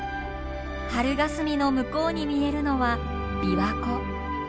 春がすみの向こうに見えるのは琵琶湖。